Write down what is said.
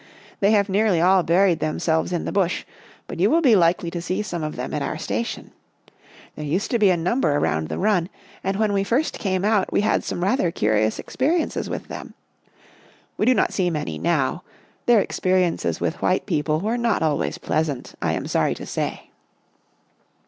They have nearly all buried themselves in the Bush, but you will be likely to see some of them at our station. There used to be a number around the { run,' and when we first came out 30 Our Little Australian Cousin we had some rather curious experiences with them. We do not see many now, their experi ences with white people were not always pleas ant, I am sorry to say."